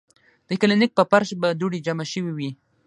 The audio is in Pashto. د کلینک پۀ فرش به دوړې جمع شوې وې ـ